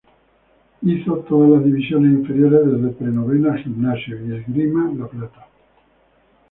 Hizo todas las divisiones inferiores desde Pre Novena en Gimnasia y Esgrima La Plata.